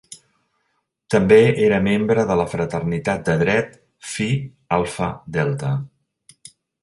També era membre de la fraternitat de dret Phi Alpha Delta.